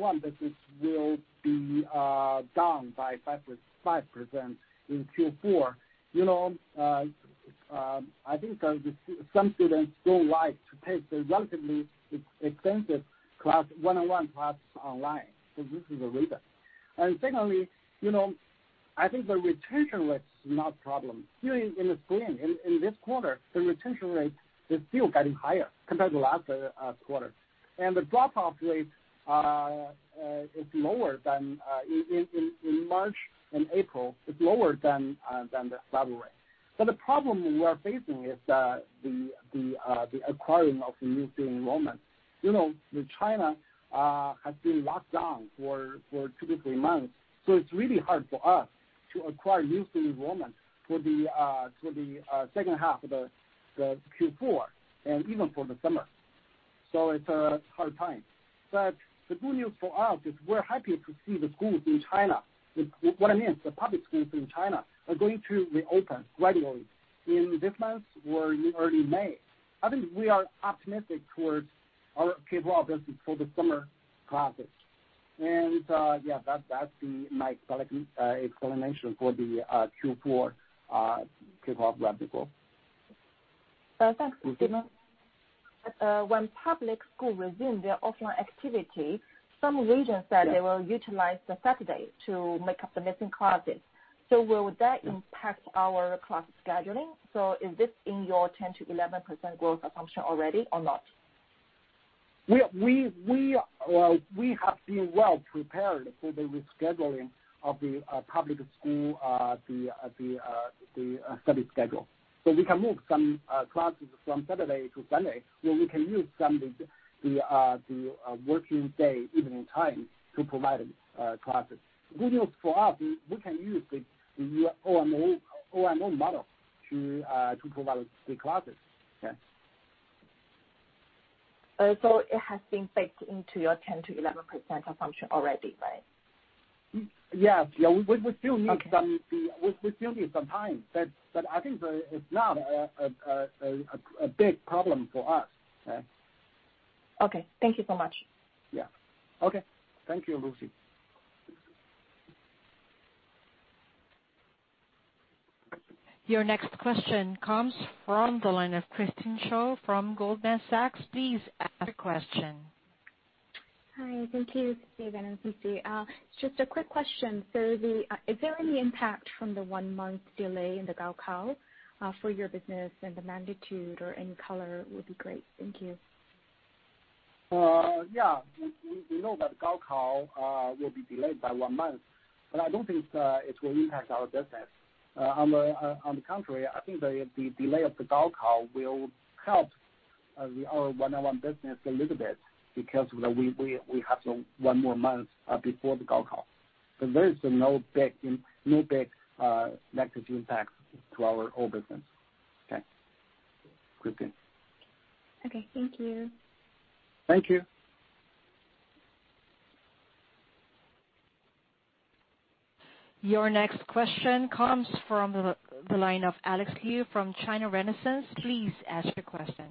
one business will be down by 5% in Q4. I think some students don't like to take the relatively expensive 101 class online. This is the reason. Secondly, I think the retention rate is not a problem. Here in the spring, in this quarter, the retention rate is still getting higher compared to last quarter. The drop-off rate is lower than in March and April, it's lower than the February. The problem we are facing is the acquiring of the new student enrollment. China has been locked down for two to three months, it's really hard for us to acquire new student enrollment for the second half of the Q4 and even for the summer. It's a hard time. The good news for us is we're happy to see the schools in China, I mean, the public schools in China, are going to reopen gradually in this month or in early May. I think we are optimistic towards our K12 business for the summer classes. Yeah, that's my explanation for the Q4 K12 drop we got. Thanks, Stephen. When public school resume their offline activity, some regions said they will utilize the Saturday to make up the missing classes. Will that impact our class scheduling? Is this in your 10%-11% growth assumption already or not? We have been well-prepared for the rescheduling of the public school, the study schedule. We can move some classes from Saturday to Sunday, where we can use some of the working day evening time to provide classes. Good news for us, we can use the OMO model to provide the classes. Yeah. It has been baked into your 11% assumption already, right? Yes. We still need. Okay we still need some time, but I think it's not a big problem for us. Yeah. Okay. Thank you so much. Yeah. Okay. Thank you, Lucy. Your next question comes from the line of Christine Cho from Goldman Sachs Group, Inc. Please ask your question. Hi. Thank you, Stephen and Sisi. Just a quick question. Is there any impact from the one-month delay in the Gaokao, for your business and the magnitude or any color would be great? Thank you. Yeah. We know that Gaokao will be delayed by one month, but I don't think it will impact our business. On the contrary, I think the delay of the Gaokao will help our one-on-one business a little bit because we have one more month before the Gaokao. There is no big negative impact to our whole business. Okay. Christine. Okay. Thank you. Thank you. Your next question comes from the line of Alex Liu from China Renaissance. Please ask your question.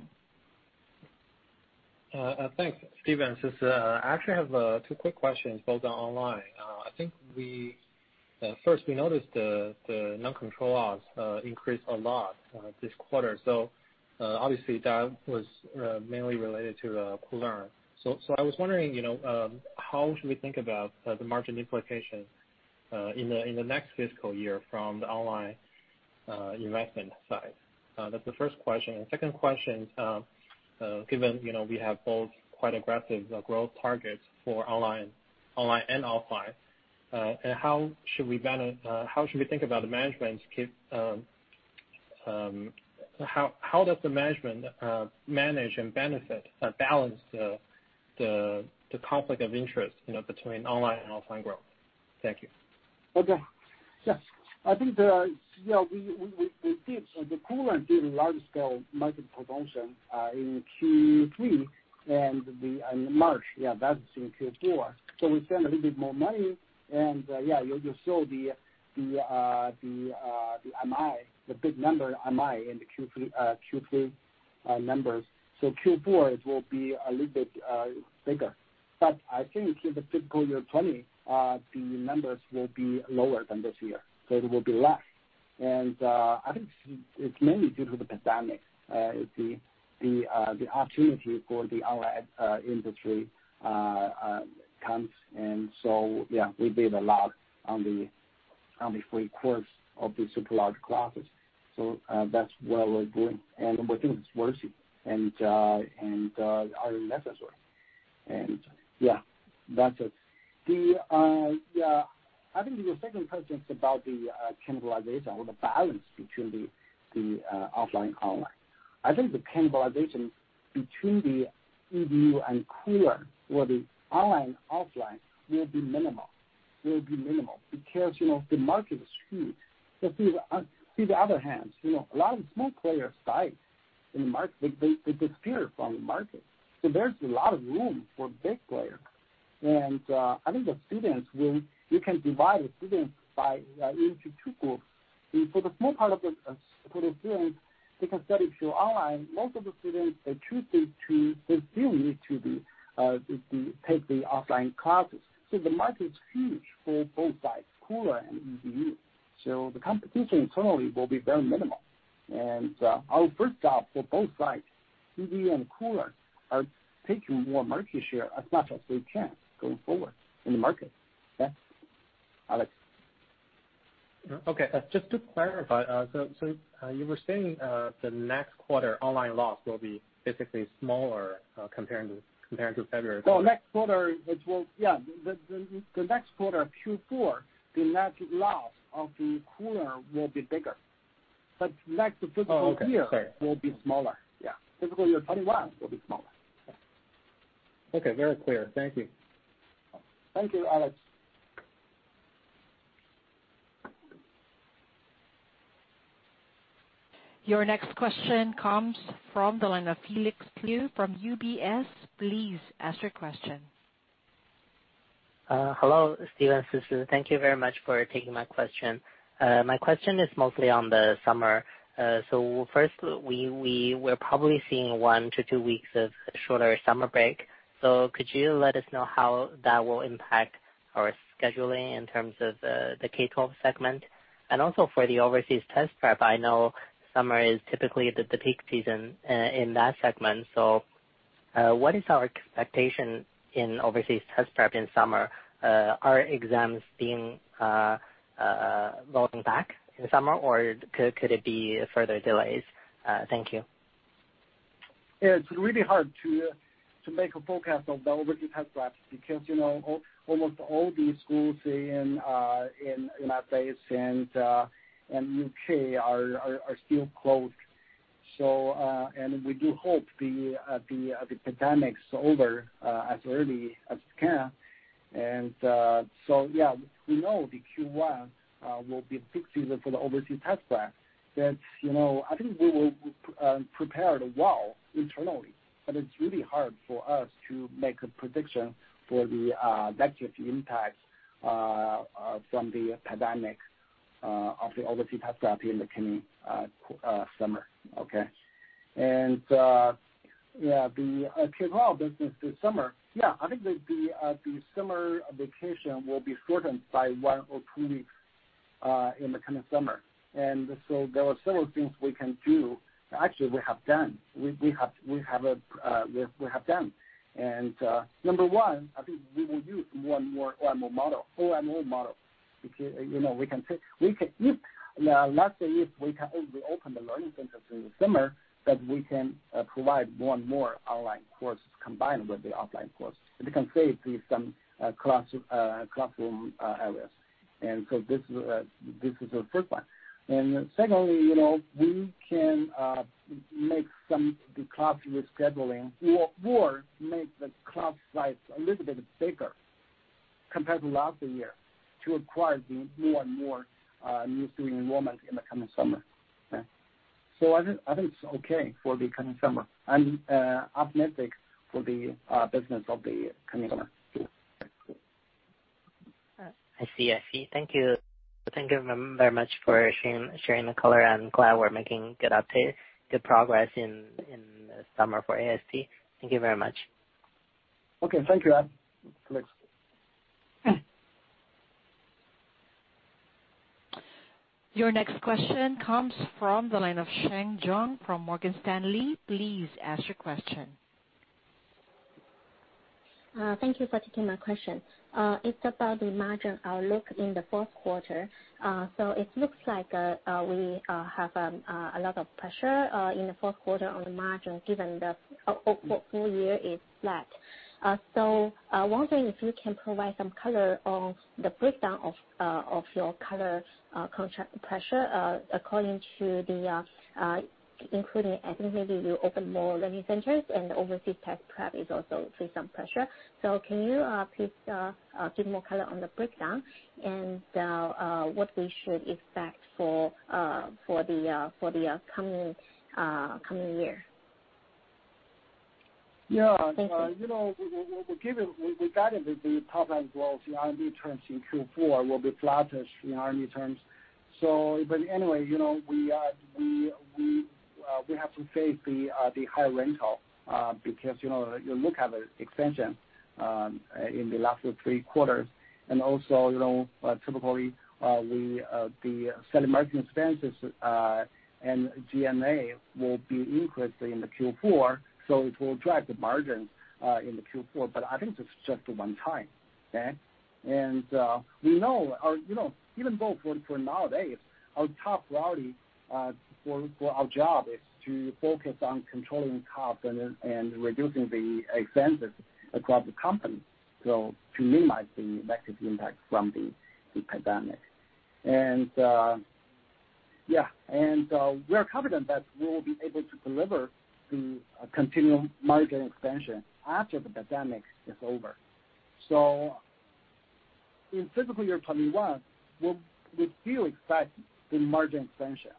Thanks, Stephen. I actually have two quick questions both on online. First, we noticed the non-controlling interest increased a lot this quarter. Obviously that was mainly related to Koolearn. I was wondering, how should we think about the margin implication in the next fiscal year from the online investment side? That's the first question. Second question, given we have both quite aggressive growth targets for online and offline, How does the management manage and benefit, balance the conflict of interest between online and offline growth? Thank you. Okay. Yes. I think Koolearn did a large-scale marketing promotion in Q3 and in March. Yeah, that's in Q4. We spent a little bit more money, and yeah, you saw the NCI, the big number NCI in the Q3 numbers. Q4, it will be a little bit bigger. I think in the fiscal year 2020, the numbers will be lower than this year. It will be less. I think it's mainly due to the pandemic. The opportunity for the online industry comes and so yeah, we bid a lot on the free course of the super large classes. That's what we're doing. We think it's worthy and necessary. Yeah, that's it. I think your second question is about the cannibalization or the balance between the offline, online. I think the cannibalization between the EDU and Koolearn or the online, offline will be minimal. The market is huge. The other hand, a lot of small players died in the market. They disappeared from the market. There's a lot of room for big players. I think the students, you can divide the students into two groups. For the small part of the students, they can study through online. Most of the students, they still need to take the offline classes. The market's huge for both sides, Koolearn and EDU. The competition internally will be very minimal. Our first job for both sides, EDU and Koolearn, are taking more market share as much as we can going forward in the market. Yeah. Alex. Okay. Just to clarify, you were saying the next quarter online loss will be basically smaller comparing to February? No, next quarter, it will Yeah. The next quarter, Q4, the net loss of the quarter will be bigger, but next fiscal year will be smaller. Yeah. Fiscal year 2021 will be smaller. Okay. Very clear. Thank you. Thank you, Alex. Your next question comes from the line of Felix Liu from UBS. Please ask your question. Hello, Steve and Sisi. Thank you very much for taking my question. My question is mostly on the summer. First, we're probably seeing one to two weeks of shorter summer break. Could you let us know how that will impact our scheduling in terms of the K-12 segment? Also for the overseas test prep, I know summer is typically the peak season in that segment. What is our expectation in overseas test prep in summer? Are exams loading back in the summer, or could it be further delays? Thank you. It's really hard to make a forecast of the overseas test prep because almost all the schools in United States and U.K. are still closed. We do hope the pandemic's over as early as it can. Yeah. We know the Q1 will be a big season for the overseas test prep. I think we will prepared well internally, but it's really hard for us to make a prediction for the negative impact from the pandemic of the overseas test prep in the coming summer. Okay. Yeah, the K-12 business this summer. Yeah, I think the summer vacation will be shortened by one or two weeks in the coming summer. There are several things we can do. Actually, we have done. We have done. Number one, I think we will use more and more online model. We can Let's say if we open the learning centers in the summer, that we can provide more and more online courses combined with the offline courses. We can save the some classroom areas. This is the first one. Secondly, we can make some, the class rescheduling or make the class size a little bit bigger compared to last year to acquire the more and more new student enrollment in the coming summer. Okay. I think it's okay for the coming summer. I'm optimistic for the business of the coming summer. I see. Thank you. Thank you very much for sharing the color. I'm glad we're making good progress in the summer for AST. Thank you very much. Okay. Thank you, Alex. Your next question comes from the line of Sheng Zhong from Morgan Stanley. Please ask your question. Thank you for taking my question. It's about the margin outlook in the fourth quarter. It looks like we have a lot of pressure in the fourth quarter on the margin, given the full year is flat. I wonder if you can provide some color on the breakdown of your color on cost and margin pressure, including, I think maybe you open more learning centers and overseas test prep is also face some pressure. Can you please give more color on the breakdown and what we should expect for the coming year? Thank you. We guided the top line growth in RMB terms in Q4 will be flattish in RMB terms. We have to face the higher rental, because you look at the expansion in the last three quarters. Typically, the selling, marketing expenses, and G&A will be increased in the Q4, so it will drive the margins in the Q4. I think it's just a one time. We know, even both for nowadays, our top priority, for our job is to focus on controlling costs and reducing the expenses across the company, so to minimize the negative impact from the pandemic. We are confident that we will be able to deliver the continuing margin expansion after the pandemic is over. In fiscal year 2021, we still expect the margin expansion.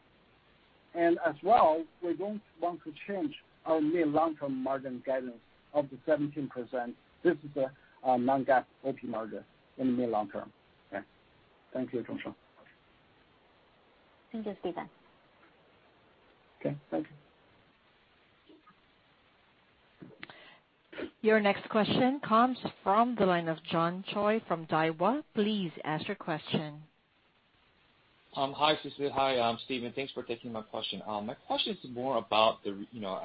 As well, we don't want to change our mid long-term margin guidance of the 17%. This is a non-GAAP operating margin in the mid long term. Okay. Thank you, Sheng Zhong. Thank you, Stephen. Okay, thank you. Your next question comes from the line of John Choi from Daiwa. Please ask your question. Hi, Sisi. Hi, Stephen. Thanks for taking my question. My question is more about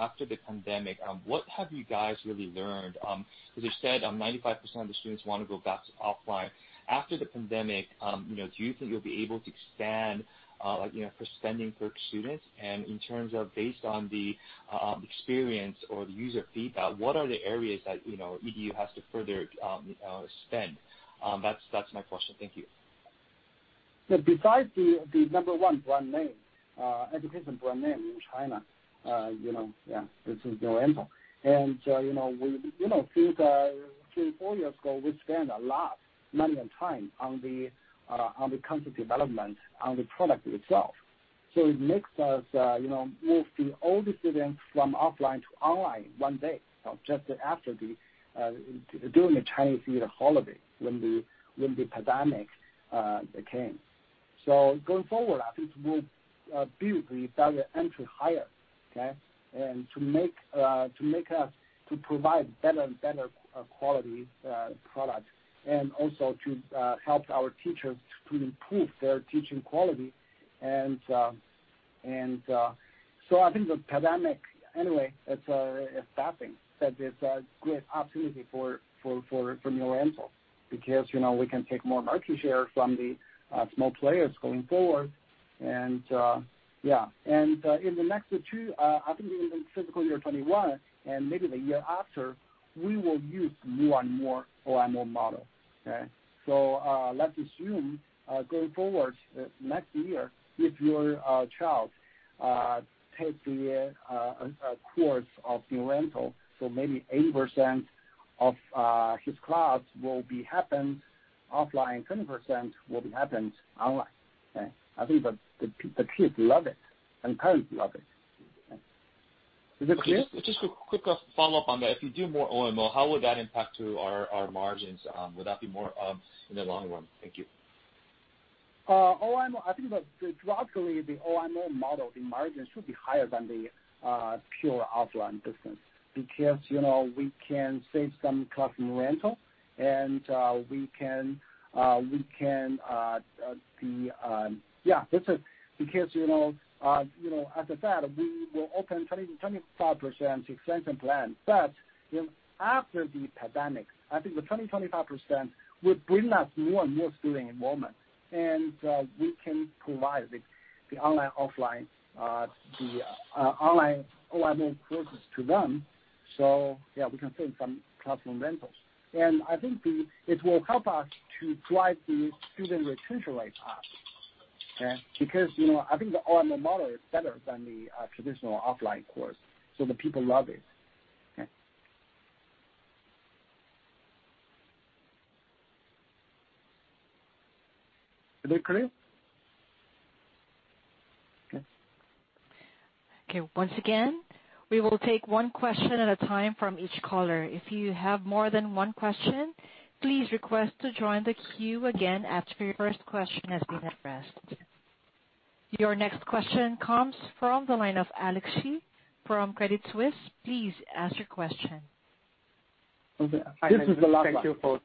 after the pandemic, what have you guys really learned? As you said, 95% of the students want to go back to offline. After the pandemic, do you think you'll be able to expand for spending per student? In terms of based on the experience or the user feedback, what are the areas that EDU has to further spend? That's my question. Thank you. The number one education brand name in China, this is New Oriental. Three to four years ago, we spent a lot, money and time, on the content development on the product itself. It makes us move the old students from offline to online one day, just during the Chinese New Year holiday, when the pandemic came. Going forward, I think we'll build the barrier entry higher, okay? To provide better quality product, and also to help our teachers to improve their teaching quality. I think the pandemic, anyway, it's a starting, that it's a great opportunity for New Oriental, because we can take more market share from the small players going forward. In the next two, I think even in fiscal year 2021, and maybe the year after, we will use more and more OMO model, okay? Let's assume, going forward, next year, if your child takes a course of New Oriental, maybe 80% of his class will be happened offline, 20% will be happened online. Okay? I think that the kids love it and parents love it. Is it clear? Just a quick follow-up on that. If you do more OMO, how would that impact to our margins? Would that be more in the long run? Thank you. I think that gradually the OMO model, the margin should be higher than the pure offline business, because we can save some cost in rental, and we can. Yeah. As I said, we will open 20%-25% expansion plan. After the pandemic, I think the 20%-25% will bring us more and more student enrollment, and we can provide the online OMO courses to them. Yeah, we can save some cost on rentals. I think it will help us to drive the student retention rate up. Okay? Because, I think the OMO model is better than the traditional offline course, so the people love it. Okay. Is that clear? Okay. Okay. Once again, we will take one question at a time from each caller. If you have more than one question, please request to join the queue again after your first question has been addressed. Your next question comes from the line of Alex Xie from Credit Suisse. Please ask your question. Okay. This is the last one.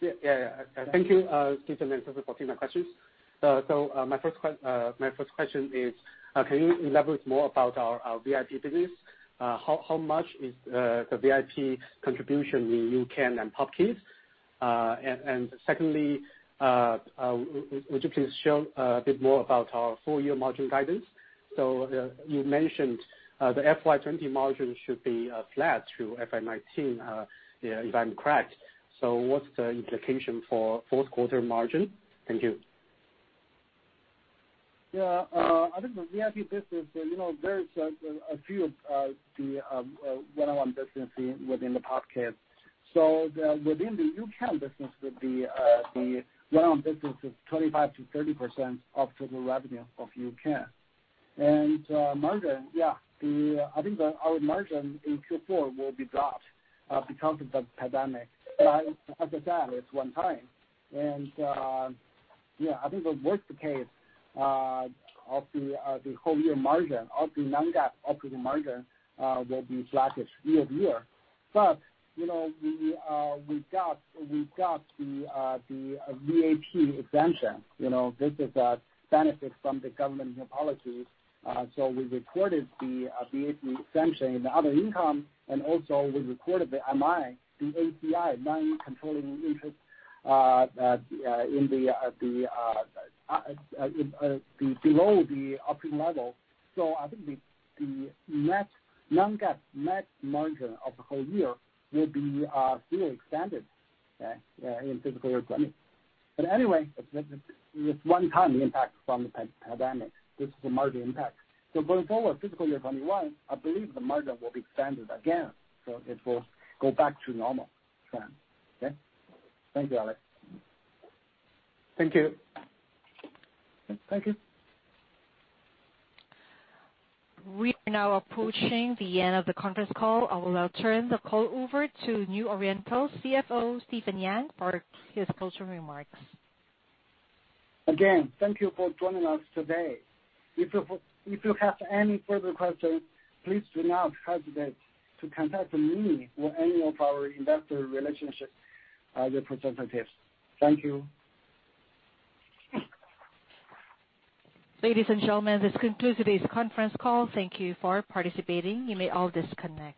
Thank you, Sisi and Stephen, for taking my questions. My first question is, can you elaborate more about our VIP business? How much is the VIP contribution in U-Can and Pop Kids? Secondly, would you please share a bit more about our full-year margin guidance? You mentioned the FY 2020 margin should be flat to FY 2019, if I'm correct. What's the implication for fourth quarter margin? Thank you. I think the VIP business, there is a few of the one-on-one business within the Pop Kids. Within the U-Can business, the one-on-one business is 25%-30% of total revenue of U-Can. Margin, I think our margin in Q4 will be dropped because of the pandemic. As I said, it's one-time. I think the worst case of the whole year margin, of the non-GAAP operating margin, will be flattish year-over-year. We've got the VAT exemption. This is a benefit from the government new policies. We recorded the VAT exemption in the other income, and also we recorded the NCI, non-controlling interest below the optimum level. I think the non-GAAP net margin of the whole year will be still expanded in fiscal year 2020. Anyway, it's one-time impact from the pandemic. This is a margin impact. Going forward, fiscal year 2021, I believe the margin will be expanded again, so it will go back to normal trend. Okay. Thank you, Alex. Thank you. Thank you. We are now approaching the end of the conference call. I will now turn the call over to New Oriental's CFO, Stephen Yang, for his closing remarks. Again, thank you for joining us today. If you have any further questions, please do not hesitate to contact me or any of our investor relationship representatives. Thank you. Ladies and gentlemen, this concludes today's conference call. Thank you for participating. You may all disconnect.